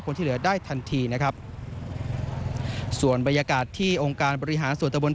ที่เหลือได้ทันทีนะครับส่วนบรรยากาศที่องค์การบริหารส่วนตะบน